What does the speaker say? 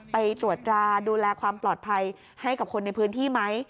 ไปตรวจตราดูแลความปลอดภัยให้กับคนในพื้นที่ไหม